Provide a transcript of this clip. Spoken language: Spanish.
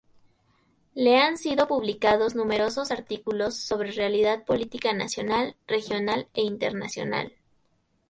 Le han sido publicados numerosos artículos sobre realidad política nacional, regional e internacional.